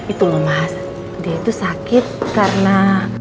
itu loh mas dia itu sakit karena